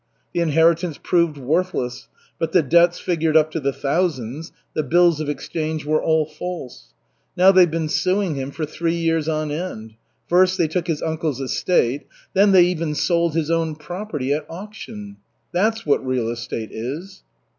The inheritance proved worthless, but the debts figured up to the thousands, the bills of exchange were all false. Now they've been suing him for three years on end. First, they took his uncle's estate. Then they even sold his own property at auction. That's what real estate is."